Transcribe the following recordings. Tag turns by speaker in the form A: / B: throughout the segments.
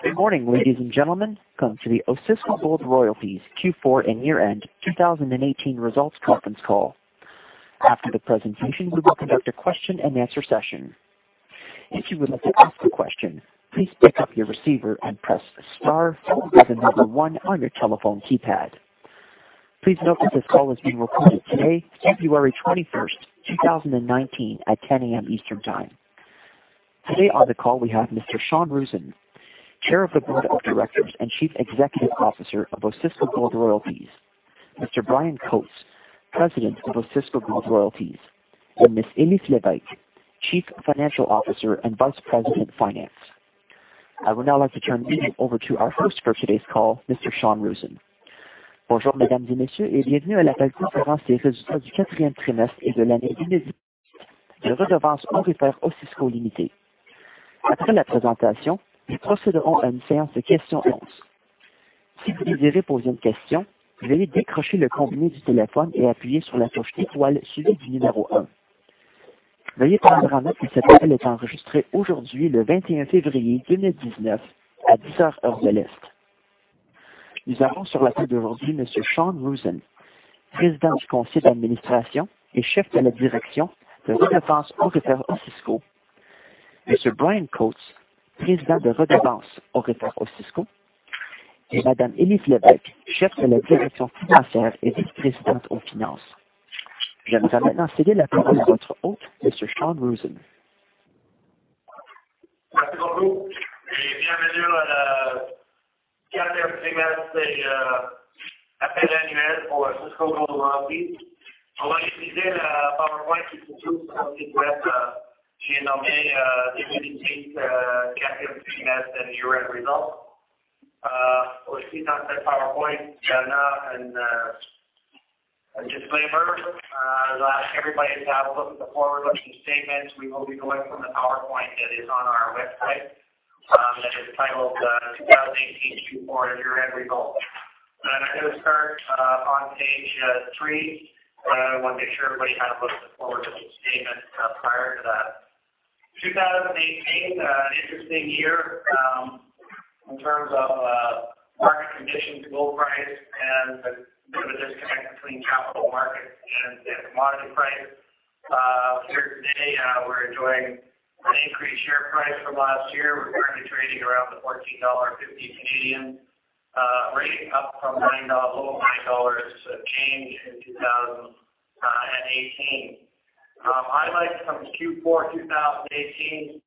A: Good morning, ladies and gentlemen. Welcome to the Osisko Gold Royalties Q4 and year-end 2018 results conference call. After the presentation, we will conduct a question and answer session. If you would like to ask a question, please pick up your receiver and press star, followed by the number one on your telephone keypad. Please note that this call is being recorded today, February 21st, 2019, at 10:00 A.M. Eastern Time. Today on the call we have Mr. Sean Roosen, Chair of the Board of Directors and Chief Executive Officer of Osisko Gold Royalties, Mr. Bryan Coates, President of Osisko Gold Royalties, and Ms. Elif Lévesque, Chief Financial Officer and Vice President, Finance. I would now like to turn the meeting over to our host for today's call, Mr. Sean Roosen. Bonjour, mesdames et messieurs, et bienvenue à l'appel conférence des résultats du quatrième trimestre et de l'année 2018 de Redevances Aurifères Osisko Ltée. Après la présentation, nous procéderons à une séance de questions-réponses. Si vous désirez poser une question, veuillez décrocher le combiné du téléphone et appuyer sur la touche étoile suivie du numéro un. Veuillez prendre en note que cet appel est enregistré aujourd'hui, le 21 février 2019, à 10:00 A.M., heure de l'Est. Nous avons sur la ligne aujourd'hui Monsieur Sean Roosen, Président du Conseil d'Administration et Chef de la Direction de Redevances Aurifères Osisko, Monsieur Bryan Coates, Président de Redevances Aurifères Osisko, et Madame Elif Lévesque, Chef de la Direction Financière et Vice-Présidente aux Finances. Je vais maintenant céder la parole à votre hôte, Monsieur Sean Roosen.
B: Merci beaucoup. Bienvenue à la quatrième trimestre et appel annuel pour Osisko Gold Royalties. On va utiliser la PowerPoint qui se trouve sur notre site web, qui est nommée 2018 quatrième trimestre and year-end results. Pour cette PowerPoint, il y a un disclaimer. I'd ask everybody to have a look at the forward-looking statements. We will be going from the PowerPoint that is on our website, that is titled, 2018 Q4 and year-end results. I'm going to start on page three. I want to make sure everybody had a look at the forward-looking statements prior to that. 2018, an interesting year in terms of market conditions, gold price, and the bit of a disconnect between capital markets and commodity price. Here today, we're enjoying an increased share price from last year. We're currently trading around the 14.50 dollar, rating up from a little over 9 dollars change in 2018. Highlights from Q4 2018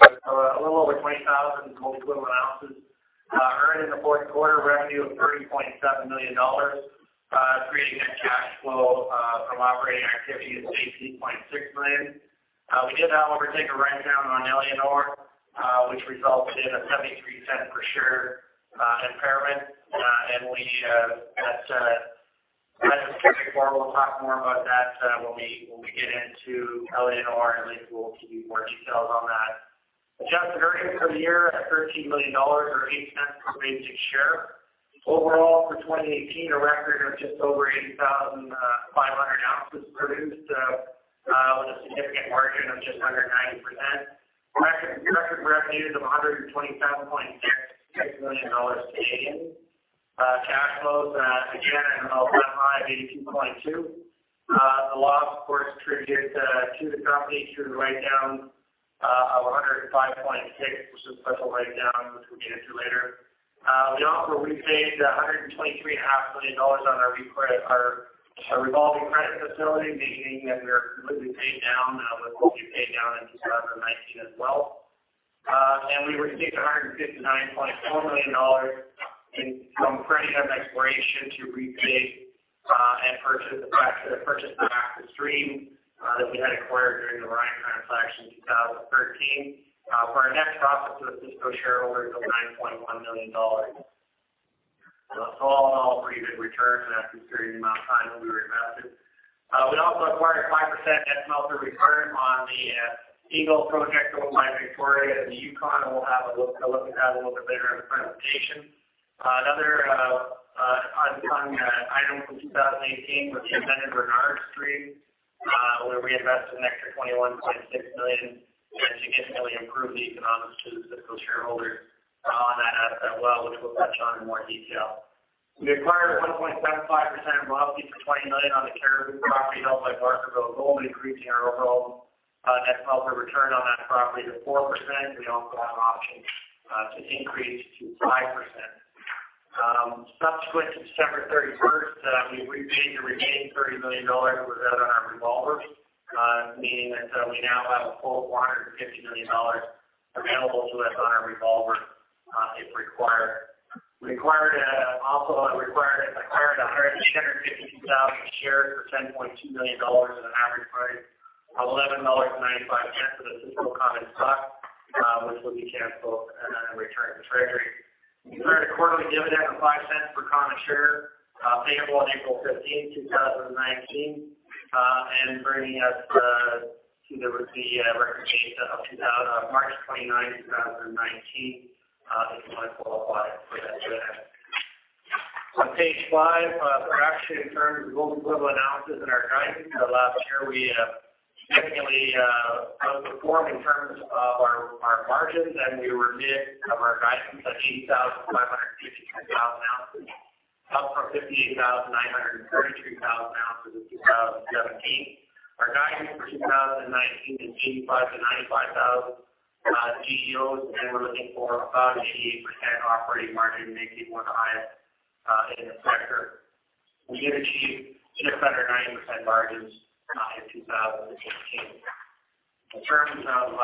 B: with a little over 20,000 gold equivalent ounces earned in the fourth quarter, revenue of 30.7 million dollars, creating a cash flow from operating activity of 18.6 million. We did, however, take a write-down on Éléonore which resulted in a 0.73 per share impairment. We at a later point we'll talk more about that when we get into Éléonore and Lake Pool to give more details on that. Adjusted earnings for the year at 13 million dollars or 0.08 per basic share. Overall for 2018, a record of just over 8,500 ounces produced, with a significant margin of 290%. Record revenues of 127.6 million dollars. Cash flows, again, an all-time high of 82.2 million. The loss, of course, attributed to the company through the write-down of 105.6 million, which is a special write-down, which we'll get into later. We also repaid 123.5 million dollars on our revolving credit facility, meaning that we are completely paid down with what we paid down in December of 2019 as well. We received 159.4 million dollars in from credit of exploration to repay and purchase back the stream that we had acquired during the Orion transaction in 2013. For our net profit to Osisko shareholders of CAD 9.1 million. All in all, pretty good return for that period amount of time that we were invested. We also acquired a 5% net smelter return on the Eagle project over by Victoria in the Yukon. We'll have a look at that a little bit later in the presentation. Another fun item from 2018 was the amended Renard Stream, where we invested an extra 21.6 million and significantly improved the economics to the Osisko shareholders on that asset well, which we'll touch on in more detail. We acquired a 1.75% royalty for 20 million on the Cariboo property held by Barkerville Gold, increasing our overall net smelter return on that property to 4%. We also have an option to increase to 5%. Subsequent to December 31st, we've repaid the remaining CAD 30 million we had on our revolver, meaning that we now have a full 450 million dollars available to us on our revolver if required. Also acquired 152,000 shares for CAD 10.2 million at an average price of 11.95 for the Osisko common stock, which will be canceled and then returned to treasury. Declared a quarterly dividend of 0.05 per common share, payable on April 15, 2019. Bernie, as the record date of March 29, 2019, is when it will apply for that dividend. On page five, production in terms of gold equivalent ounces and our guidance. For the last year, we significantly outperformed in terms of our margins. We were mid of our guidance of 80,553,000 ounces, up from 58,933,000 ounces in 2017. Our guidance for 2019 is 85,000-95,000 GEOs. We're looking for about 88% operating margin, making it one of the highest in the sector. We did achieve just under 90% margins in 2016. In terms of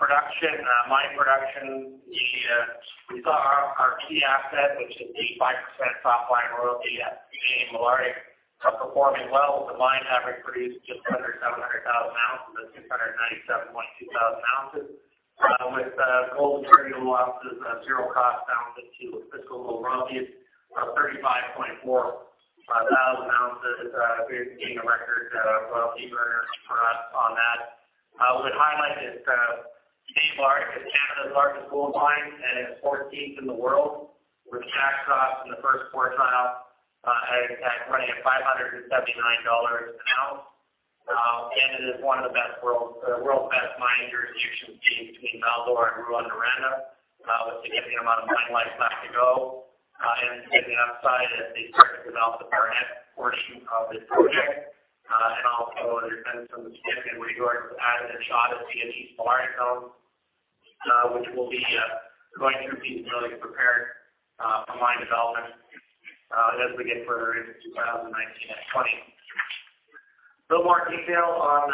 B: production, mine production, we saw our key asset, which is the 5% NSR royalty at Canadian Malartic, performing well. The mine average produced just under 700,000 ounces at 697.2 thousand ounces, with gold equivalent ounces of zero cost down linked to fiscal royalties of 35.4 thousand ounces, creating a record royalty earner for us on that. I would highlight that Canadian Malartic is Canada's largest gold mine and 14th in the world, with cash costs in the first quartile at running at 579 dollars an ounce. It is one of the world's best mine jurisdictions between Val-d'Or and Rouyn-Noranda, with a significant amount of mine lifespan to go and significant upside as they start to develop the Barnat portion of this project. Also, there's been some significant regrowth out of the Sheehan and Odyssey zones, which will be going through feasibility prepared for mine development as we get further into 2019 and 2020. A little more detail on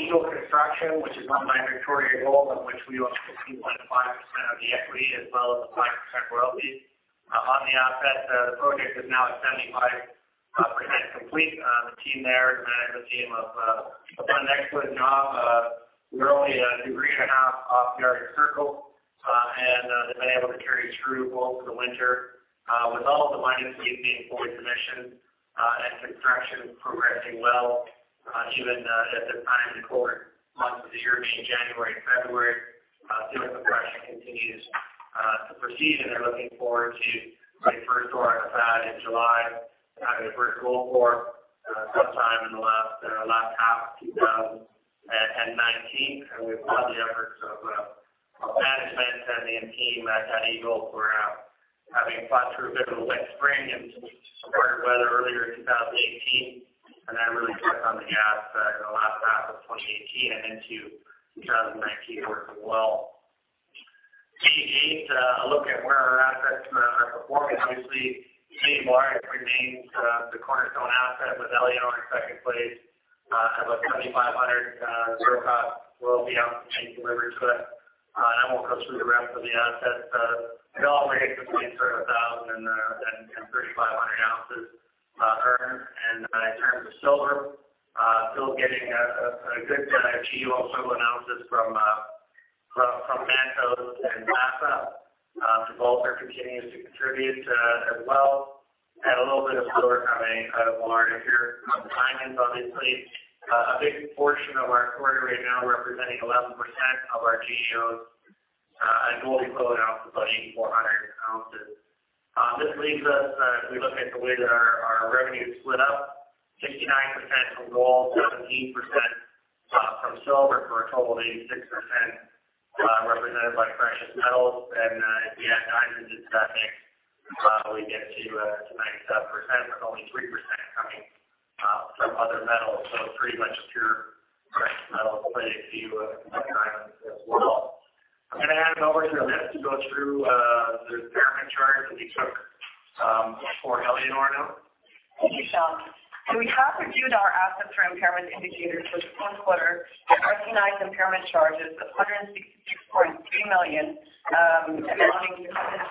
B: Eagle Construction, which is on Victoria Gold, on which we own 15.5% of the equity as well as the 5% royalty on the asset. The project is now at 75% complete. The team there, the management team have done an excellent job. We are only a degree and a half off the Arctic Circle, and they have been able to carry through gold for the winter with all of the mining equipment for commission and construction progressing well even at this time in the colder months of the year, being January and February. Construction continues to proceed, and they are looking forward to their first ore on site in July, having their first gold pour sometime in the last half of 2019. We applaud the efforts of management and the team at Eagle for having fought through a bit of a wet spring and some harder weather earlier in 2018, then really stepped on the gas in the last half of 2018 and into 2019 to work well. Page eight, a look at where our assets are performing. Obviously, Canadian Malartic remains the cornerstone asset with Éléonore in second place at about 7,500 zero cost royalty ounces being delivered to it. I will not go through the rest of the assets. They all range between sort of 1,000 and 3,500 ounces earned. In terms of silver, still getting a good GEO of silver ounces from Mantos and Mesa. Sikoli continues to contribute as well. A little bit of silver coming out of Malartic here. Some diamonds, obviously. A big portion of our quarter right now representing 11% of our GEOs and gold equivalent ounces of 8,400 ounces. This leaves us, as we look at the way that our revenue is split up, 69% from gold, 17% from silver, for a total of 86% represented by precious metals. If we add diamonds into that mix, we get to 97%, with only 3% coming from other metals. Pretty much pure precious metals, with a few diamonds as well. I am going to hand it over to Elif Lévesque to go through the impairment charge that we took for Éléonore now.
C: Thank you, Sean Roosen. We have reviewed our assets for impairment indicators for the fourth quarter and recognized impairment charges of 166.3 million, amounting to 123.7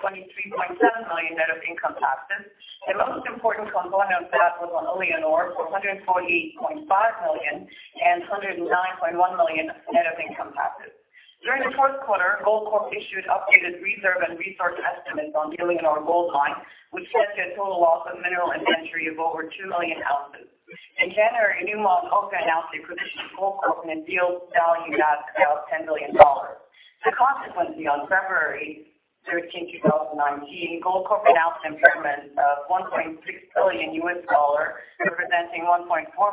C: million net of income taxes. The most important component of that was on Éléonore for 148.5 million and 109.1 million net of income taxes. During the fourth quarter, Goldcorp issued updated reserve and resource estimates on the Éléonore gold mine, which tested a total loss of mineral inventory of over 2 million ounces. In January, Newmont also announced the acquisition of Goldcorp and deals valued at about 10 billion dollars. As a consequence, on February 13, 2019, Goldcorp announced an impairment of CAD 1.6 billion, representing 1.4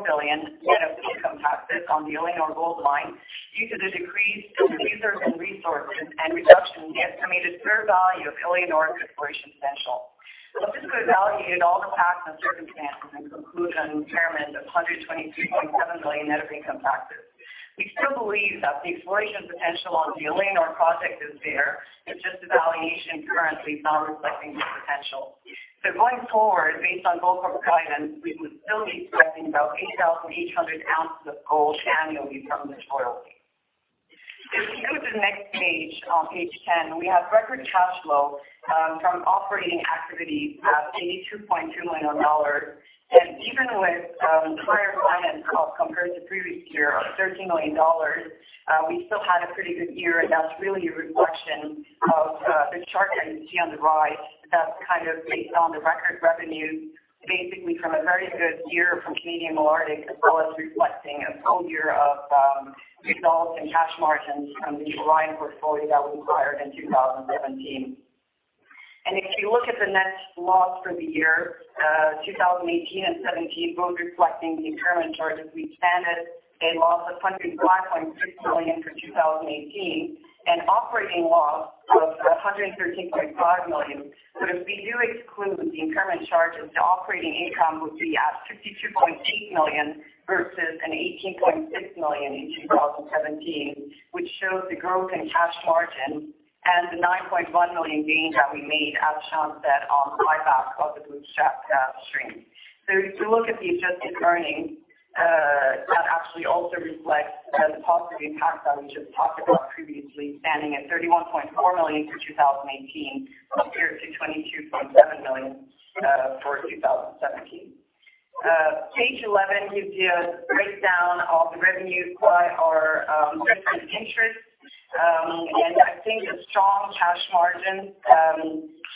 C: billion net of income taxes on the Éléonore gold mine due to the decrease in the reserve and resources and reduction in the estimated fair value of Éléonore's exploration potential. Let's just go evaluate all the facts and circumstances and conclude on an impairment of 123.7 million net of income taxes. We still believe that the exploration potential on the Éléonore project is there. It's just the valuation currently is not reflecting the potential. Going forward, based on Goldcorp guidance, we would still be expecting about 8,800 ounces of gold annually from this royalty. If we go to the next page 10, we have record cash flow from operating activities of 82.2 million dollars. Even with higher finance costs compared to previous year of 13 million dollars, we still had a pretty good year, and that's really a reflection of the chart that you see on the right that's kind of based on the record revenues. Basically from a very good year from Canadian Malartic, as well as reflecting a full year of results and cash margins from the Orion portfolio that was acquired in 2017. If you look at the net loss for the year, 2018 and 2017, both reflecting the impairment charges. We stand at a loss of 105.6 million for 2018 and operating loss of 113.5 million. If we do exclude the impairment charges, the operating income would be at 52.8 million versus an 18.6 million in 2017, which shows the growth in cash margin and the 9.1 million gain that we made, as Sean said, on the buyback of the Brucejack stream. If you look at the adjusted earnings, that actually also reflects the positive impact that we just talked about previously, standing at 31.4 million for 2018 compared to 22.7 million for 2017. Page 11 gives you a breakdown of the revenues by our interest. I think a strong cash margin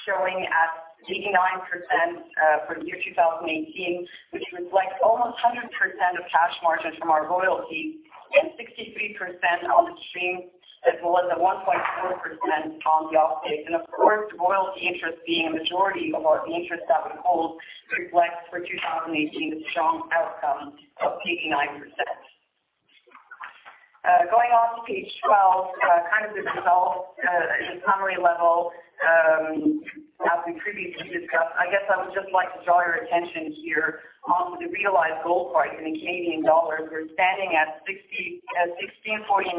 C: showing at 89% for the year 2018, which reflects almost 100% of cash margins from our royalty and 63% on the stream, as well as a 1.4% on the offtakes. Of course, the royalty interest being a majority of our interest that we hold reflects for 2018 a strong outcome of 89%. Going on to page 12, the results at a summary level, as we previously discussed, I would just like to draw your attention here on the realized gold price in Canadian dollars. We're standing at 1,649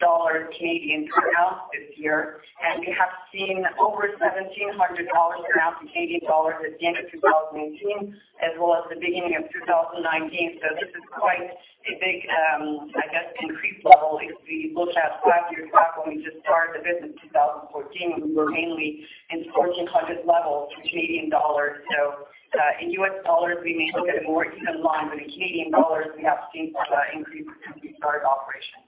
C: dollars per ounce this year, and we have seen over 1,700 dollars an ounce in Canadian dollars at the end of 2018 as well as the beginning of 2019. This is quite a big increased level if we look at five years back when we just started the business in 2014, when we were mainly in the 1,400 level for Canadian dollars. In USD, we may look at it more in line with the Canadian dollars we have seen for the increase since we started operations.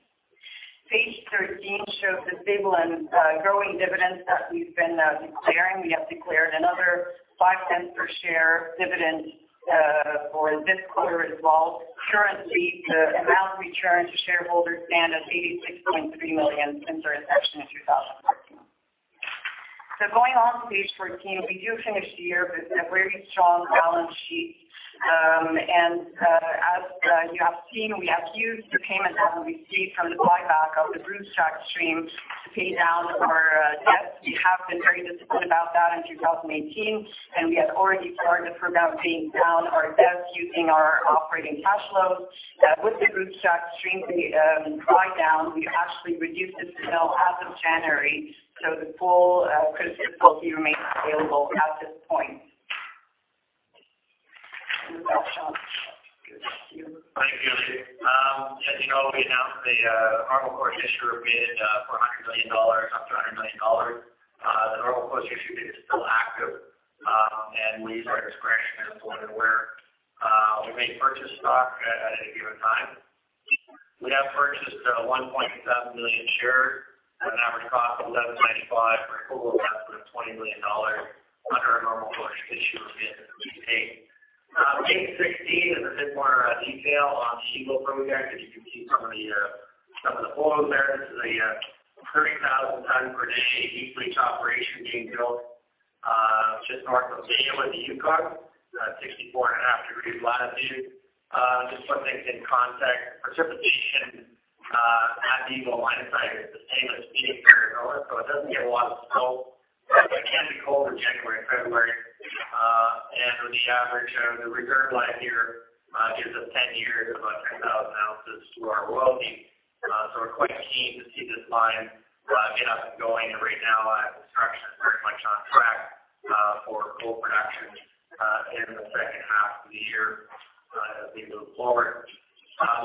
C: Page 13 shows the stable and growing dividends that we've been declaring. We have declared another 0.05 per share dividend for this quarter as well. Currently, the amount return to shareholders stand at 86.3 million since our inception in 2014. Going on to page 14, we do finish the year with a very strong balance sheet. As you have seen, we have used the payment that we received from the buyback of the Brucejack stream to pay down our debt. We have been very disciplined about that in 2018, we had already started the program paying down our debt using our operating cash flows. With the Brucejack stream pay down, we actually reduced this bill as of January, the full revolving credit facility remains available at this point. With that, Sean, back to you.
B: Thank you, Julie. As you know, we announced the normal course issuer bid for CAD 100 million, up to CAD 100 million. The normal course issuer bid is still active, leaves our discretion as to when and where we may purchase stock at any given time. We have purchased 1.7 million shares at an average cost of 1,195 dollars for a total investment of 20 million dollars under our normal course issuer bid that we take. Page 16 is a bit more detail on the Eagle project, as you can see some of the photos there. This is a 30,000 tonnes per day heap leach operation being built just north of Mayo in the Yukon, 64 and a half degrees latitude. Just to put things in context, precipitation at the Eagle mine site is the same as Phoenix, Arizona, it doesn't get a lot of snow, but it can be cold in January and February. For the average, the reserve life here gives us 10 years of 100,000 ounces through our royalty. We're quite keen to see this mine get up and going, right now construction is very much on track for gold production in the second half of the year as we move forward.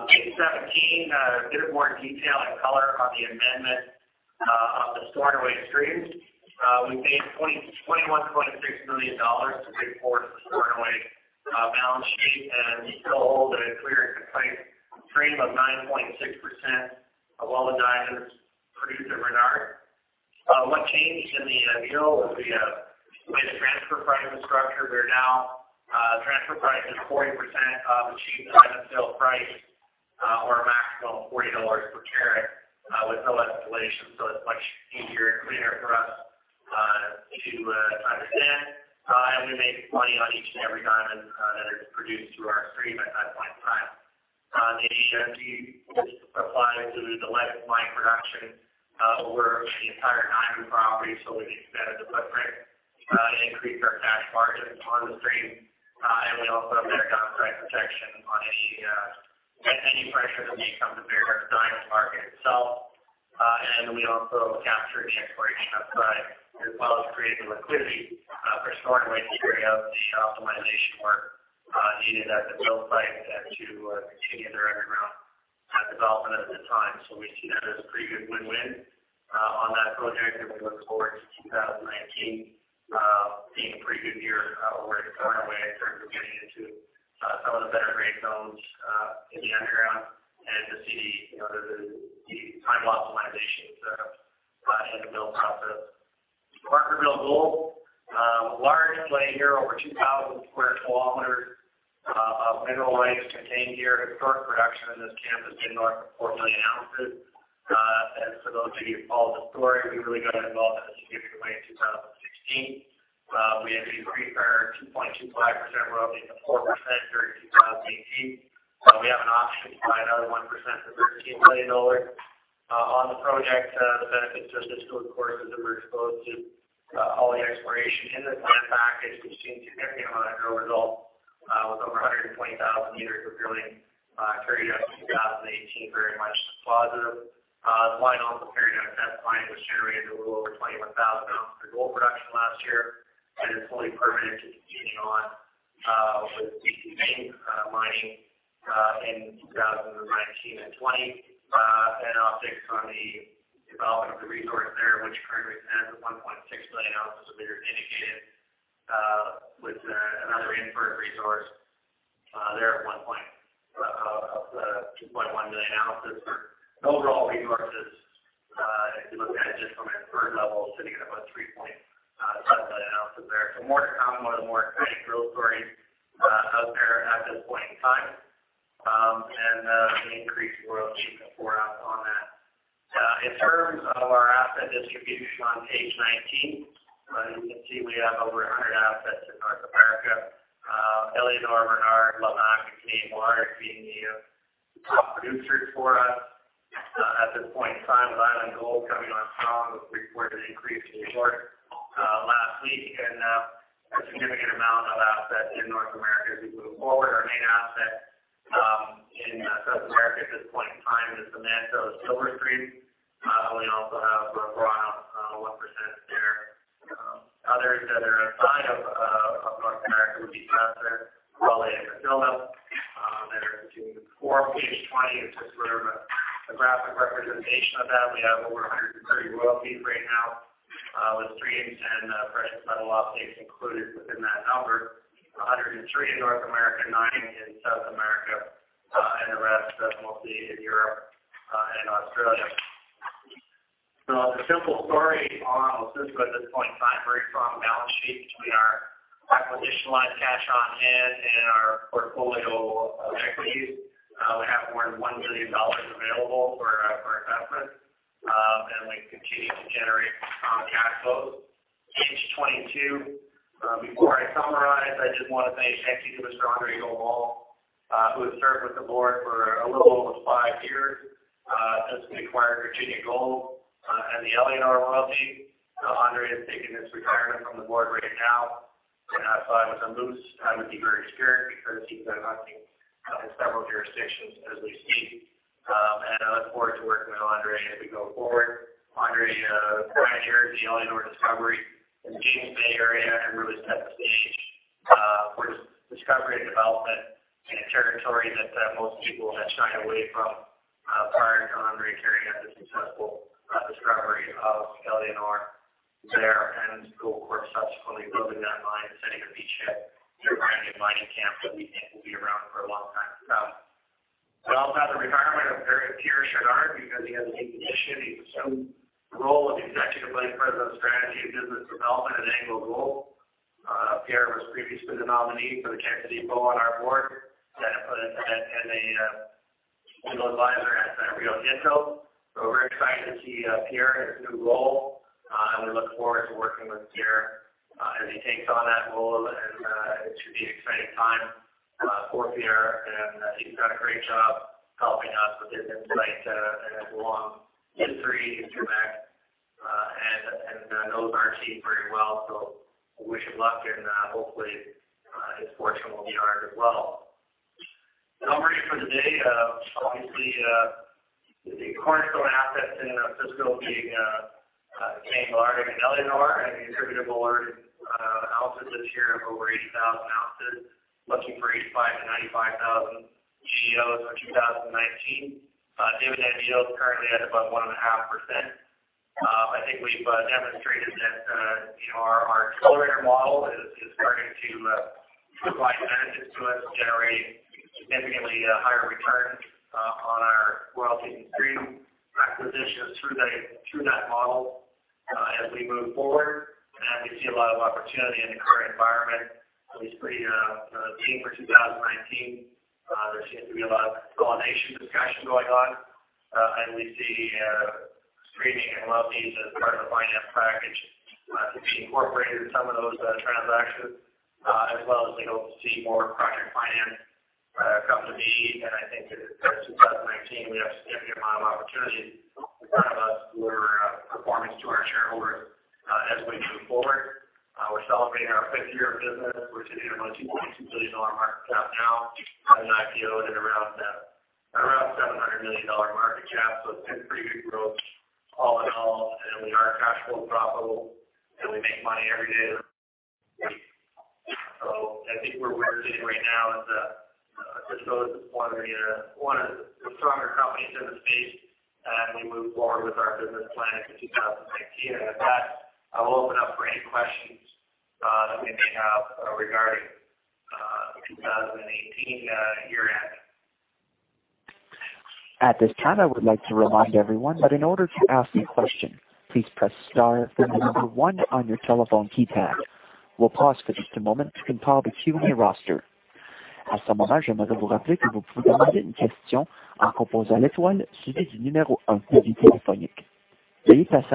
B: Page 17, a bit more detail and color on the amendment of the Stornoway stream. We paid CAD 21.6 million to pay for the Stornoway balance sheet, we still hold a clear and concise stream of 9.6% of all the diamonds produced at Renard. What changed in the deal was the way the transfer price was structured. Transfer price is 40% of the sheet diamond sale price, or a maximum of 40 dollars per carat with no escalation. It's much easier and cleaner for us to understand. We make money on each and every diamond that is produced through our stream at that point in time. The ESG applies to the life of mine production over the entire diamond property, we've expanded the footprint, increased our cash margins on the stream. We also have better downside protection on any pressure that may come to bear on the diamond market itself. We also capture the exploration upside as well as creating the liquidity for Stornoway to carry out the optimization work needed at the mill site and to continue their underground development at this time. We see that as a pretty good win-win on that project. We look forward to 2019 being a pretty good year for Stornoway in terms of getting into- known in the underground and to see the time optimization of the mill process. Barkerville Gold, a large play here, over 2,000 square kilometers of mineralized contained here. Historic production in this camp has been north of 4 million ounces. For those of you who followed the story, we really got involved in a significant way in 2016. We increased our 2.25% royalty to 4% during 2018. We have an option to buy another 1% for 15 million dollars. On the project, the benefits to Osisko, of course, is that we're exposed to all the exploration in this land package. We've seen a significant amount of drill results with over 120,000 meters of drilling carried out in 2018, very much positive. The mine also carrying out test mining, which generated a little over 21,000 ounces of gold production last year, and is fully permitted to continue on with the main mining in 2019 and 2020. Optics on the development of the resource there, which currently stands at 1.6 million ounces of measured indicated, with another inferred resource there of 2.1 million ounces. Our overall resources, if you look at it just from an inferred level, sitting at about 3.5 million ounces there. More to come, one of the more exciting drill stories out there at this point in time. An increased royalty to 4% on that. In terms of our asset distribution on page 19, as you can see, we have over 100 assets in North America. Éléonore, Renard, La Mancha, Canadian Royalties being the top producers for us at this point in time, with Island Gold coming on strong with reported increased resource last week. A significant amount of assets in North America as we move forward. Our main asset in South America at this point in time is the Mantos Silver Stream. We also have Brazil 1% there. Others that are outside of North America would be El Pachón, Gualey and Casilda that are between- Page 20 is just a graphic representation of that. We have over 130 royalties right now, with streams and precious metal offtakes included within that number, 103 in North America, nine in South America, and the rest mostly in Europe and Australia. The simple story on Osisko at this point in time, very strong balance sheet between our capitalized cash on hand and our portfolio of equities. We have more than 1 billion dollars available for investment. We continue to generate strong cash flows. Page 22. Before I summarize, I just want to say thank you to Mr. André Gaumond, who has served with the board for a little over five years since we acquired Virginia Gold and the Éléonore royalty. André is taking his retirement from the board right now. I thought with Elif, I would be very remiss because he's been hunting in several jurisdictions as we speak. I look forward to working with André as we go forward. André pioneered the Éléonore discovery in the James Bay area and really set the stage for discovery and development in a territory that most people had shied away from prior to André carrying out the successful discovery of Éléonore there, and Goldcorp subsequently building that mine and setting a beachhead to a brand new mining camp that we think will be around for a long time to come. We also have the retirement of Pierre Chouinard because he has been issued, he's assumed the role of Executive Vice President of Strategy and Business Development at AngloGold. Pierre was previously the nominee for the Quebec depot on our board, and a legal advisor at Rio Tinto. We're very excited to see Pierre in his new role, and we look forward to working with Pierre as he takes on that role, and it should be an exciting time for Pierre, and he's done a great job helping us with his insights and his long history in Quebec, and knows our team very well. We wish him luck, and hopefully his fortune will be ours as well. The numbers for the day, obviously, the cornerstone assets in Osisko being Canadian Royalties and Éléonore, and the attributable ounces this year of over 80,000 ounces, looking for 85,000-95,000 GEOs for 2019. Dividend yield is currently at about 1.5%. I think we've demonstrated that our accelerator model is starting to provide benefits to us, generating significantly higher returns on our royalty and stream acquisitions through that model as we move forward. As we see a lot of opportunity in the current environment, at least for the theme for 2019, there seems to be a lot of consolidation discussion going on. We see streaming and royalties as part of the finance package to be incorporated in some of those transactions, as well as we hope to see more project finance come to be. I think that in 2019, we have a significant amount of opportunity in front of us for performance to our shareholders as we move forward. We're celebrating our fifth year of business. We're sitting at about a 2.2 billion dollar market cap now from an IPO at around 700 million dollar market cap. It's been pretty good growth all in all. We are cash flow profitable, and we make money every day of the week. I think where we're sitting right now is that Osisko is one of the stronger companies in the space as we move forward with our business plan for 2019. At that, I will open up for any questions that we may have regarding 2018 year-end.
A: At this time, I would like to remind everyone that in order to ask a question, please press star, then the number one on your telephone keypad. We'll pause for just a moment to compile the Q&A roster. Your first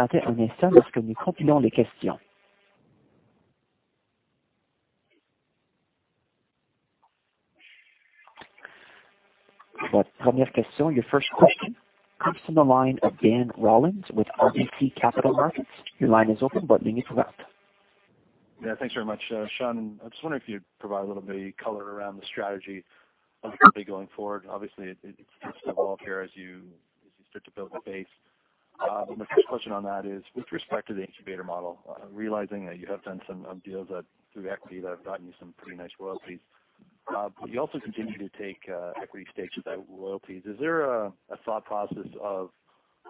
A: question comes from the line of Dan Rollins with RBC Capital Markets. Your line is open. Putting you through.
D: Yeah. Thanks very much, Sean. I'm just wondering if you'd provide a little bit of color around the strategy of the company going forward. Obviously, it starts to evolve here as you start to build the base. My first question on that is, with respect to the incubator model, realizing that you have done some deals through Equity that have gotten you some pretty nice royalties. You also continue to take equity stakes without royalties. Is there a thought process of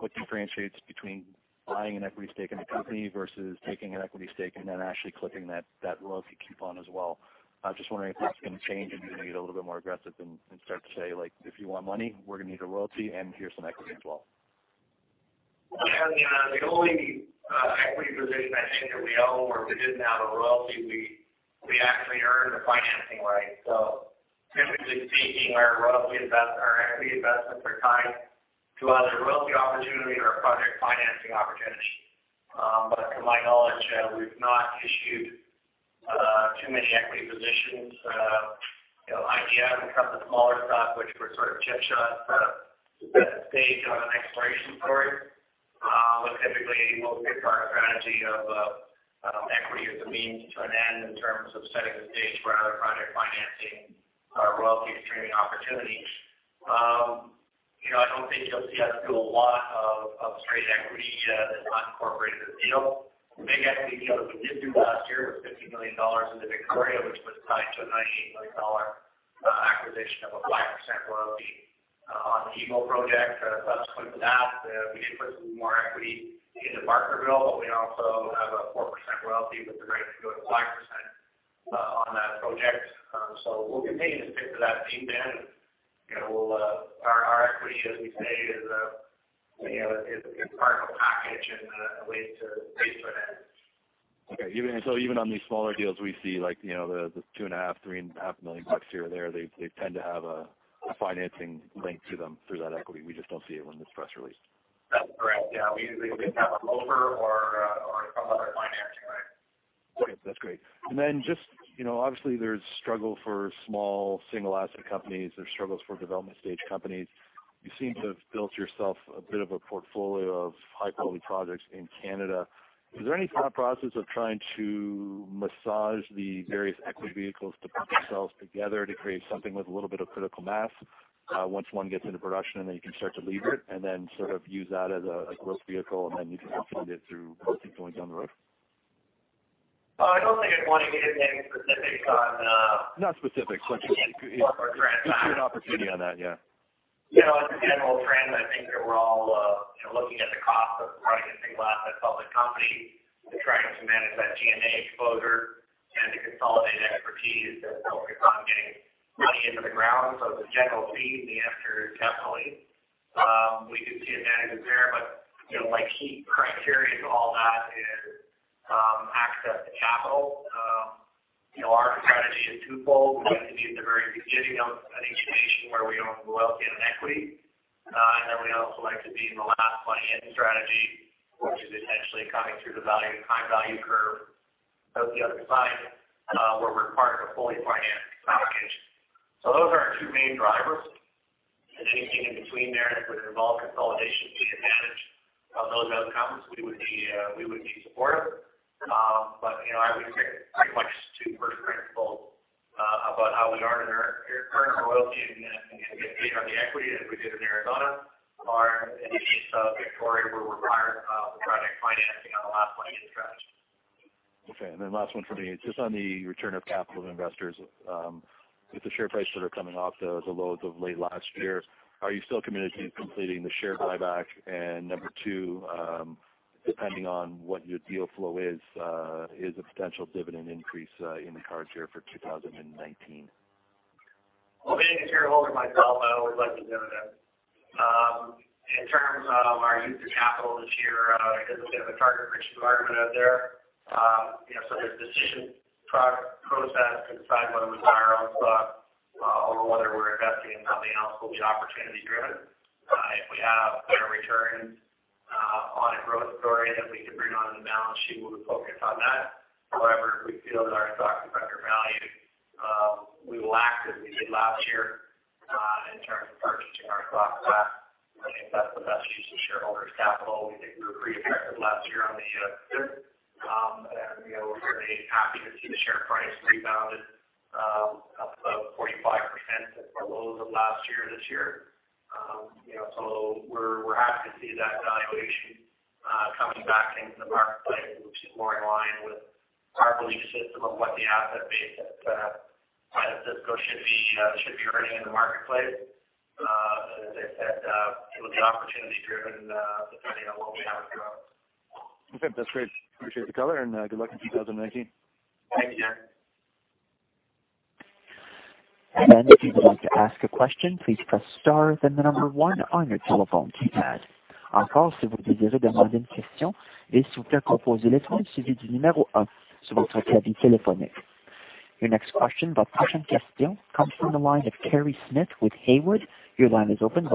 D: what differentiates between buying an equity stake in a company versus taking an equity stake and then actually clipping that royalty coupon as well? I'm just wondering if that's going to change, and you're going to get a little bit more aggressive and start to say, "If you want money, we're going to need a royalty, and here's some equity as well.
B: The only equity position I think that we own where we didn't have a royalty, we actually earned a financing right. Typically speaking, our equity investments are tied to either a royalty opportunity or a project financing opportunity. To my knowledge, we've not issued too many equity positions. IGF and a couple of smaller stuff, which were sort of chip shots to set the stage on an exploration story. Typically, we'll stick to our strategy of equity as a means to an end in terms of setting the stage for other project financing or royalty streaming opportunities. I don't think you'll see us do a lot of straight equity that's not incorporated in the deal. The big equity deal that we did do last year was 50 million dollars into Victoria, which was tied to a 98 million dollar acquisition of a 5% royalty on the Eagle project subsequent to that. We did put some more equity into Barkerville, but we also have a 4% royalty with the right to go to 5% on that project. We'll continue to stick to that theme, Dan. Our equity, as we say, is part of a package and a way to an end.
D: Even on these smaller deals, we see the 2.5 million, 3.5 million bucks here or there. They tend to have a financing link to them through that equity. We just don't see it when it's press released.
B: That's correct. Yeah. We typically have a ROFR or some other financing right.
D: That's great. Then just, obviously, there's struggle for small single-asset companies. There's struggles for development stage companies. You seem to have built yourself a bit of a portfolio of high-quality projects in Canada. Is there any thought process of trying to massage the various equity vehicles to put themselves together to create something with a little bit of critical mass, once one gets into production, and then you can start to lever it, and then sort of use that as a growth vehicle, and then you can repeat it through going down the road?
B: I don't think I'd want to get into anything specific on-
D: Not specific.
B: Corporate transactions.
D: Just your opportunity on that, yeah.
B: As a general trend, I think that we're all looking at the cost of running a single-asset public company and trying to manage that G&A exposure and to consolidate expertise and focus on getting money into the ground. As a general theme, the answer is definitely. We do see advantages there, but key criteria to all that is access to capital. Our strategy is twofold. We like to be at the very beginning of an exploration where we own royalty and an equity. Then we also like to be in the last financing strategy, which is essentially coming through the time value curve out the other side, where we're part of a fully financed allocation. Those are our two main drivers. Anything in between there that would involve consolidation to the advantage of those outcomes, we would be supportive. I would say pretty much to first principles about how we earn our royalty and get paid on the equity as we did in Arizona or in the case of Victoria, where we're part of the project financing on the last financing strategy.
D: Okay. Last one from me. Just on the return of capital to investors. With the share prices that are coming off the lows of late last year, are you still committed to completing the share buyback? Number 2, depending on what your deal flow is a potential dividend increase in the cards here for 2019?
B: Well, being a shareholder myself, I always like a dividend. In terms of our use of capital this year, there's a bit of a target-rich environment out there. There's decision product process to decide whether we buy our own stock or whether we're investing in something else will be opportunity-driven. If we have better returns on a growth story that we can bring onto the balance sheet, we'll be focused on that. However, if we feel that our stock is undervalued, we will act as we did last year in terms of purchasing our stock back. I think that's the best use of shareholder capital. We think we were pretty effective last year on the fifth. We're very happy to see the share price rebounded up about 45% from our lows of last year, this year. We're happy to see that valuation coming back into the marketplace, which is more in line with our belief system of what the asset base at Osisko should be earning in the marketplace. It was opportunity driven depending on what we have in front of us.
D: Okay. That's great. Appreciate the color. Good luck in 2019.
B: Thank you.
A: If you would like to ask a question, please press star, then the number 1 on your telephone keypad. French. Your next question comes from the line of Kerry Smith with Haywood. Your line is open.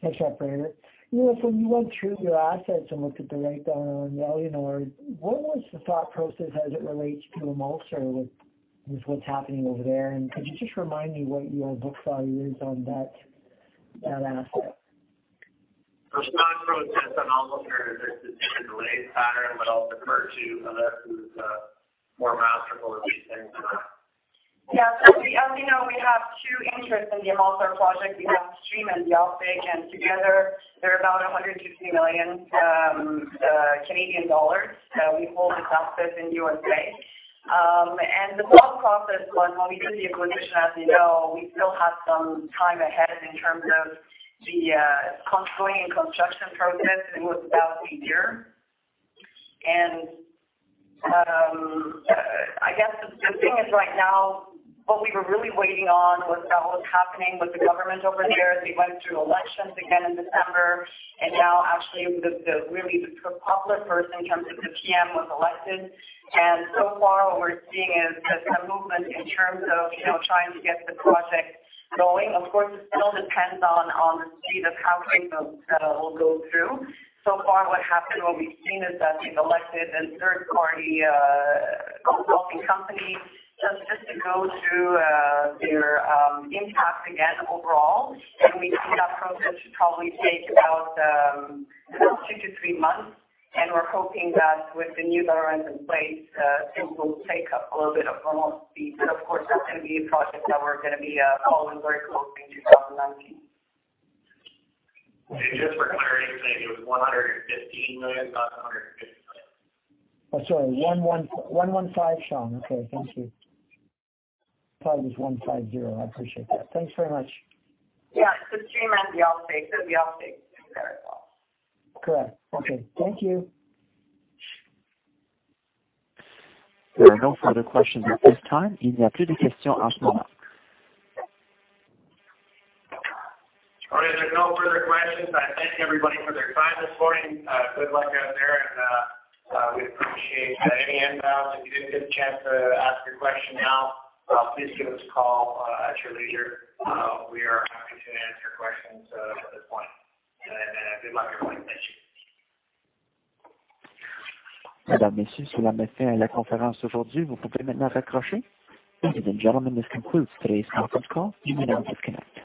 E: Thanks, operator. When you went through your assets and looked at the write-down on Éléonore, what was the thought process as it relates to Amulsar with what's happening over there? Could you just remind me what your book value is on that asset?
B: The thought process on Amulsar is it's in a delayed pattern, but I'll defer to Hélène, who's more knowledgeable of these things than I.
C: Yeah. As you know, we have two interests in the Amulsar project. We have Stream and offtake. Together they're about 150 million Canadian dollars. We hold this asset in USA. The thought process when we did the acquisition, as you know, we still had some time ahead in terms of the consulting and construction process. It was about a year. I guess the thing is right now, what we were really waiting on was what was happening with the government over there as they went through elections again in December. Now actually, really the popular person in terms of the PM was elected, and so far what we're seeing is some movement in terms of trying to get the project going. Of course, it still depends on the speed of how things will go through. So far what happened, what we've seen is that they've elected a third-party consulting company just to go through their impact again overall. We think that process should probably take about two to three months, and we're hoping that with the new government in place, things will take up a little bit of momentum speed. Of course, that's going to be a project that we're going to be following very closely in 2019.
B: Just for clarity's sake, it was CAD 115 million, not CAD 150 million.
E: Oh, sorry. 115, Sean. Okay. Thank you. Thought it was 150. I appreciate that. Thanks very much.
C: Yeah. The Stream and offtake. The offtake is very small.
E: Correct. Okay. Thank you.
A: There are no further questions at this time.
B: All right. If there are no further questions, I thank everybody for their time this morning. Good luck out there, and we appreciate any inbound. If you didn't get a chance to ask your question now, please give us a call at your leisure. We are happy to answer questions at this point. Good luck everyone. Thank you.
A: Ladies and gentlemen, this concludes today's conference call. You may now disconnect.